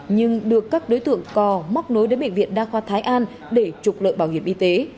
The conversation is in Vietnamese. nhưng được các đối tượng co móc nối đến bệnh viện đa khoa thái an để trục lợi bảo hiểm y tế